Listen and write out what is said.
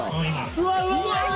うわうわうわ！